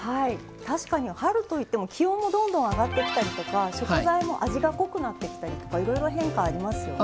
確かに春といっても気温もどんどん上がってきたりとか食材も味が濃くなってきたりとかいろいろ変化ありますよね。